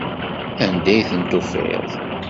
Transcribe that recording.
Anda i tent-tufiḍ?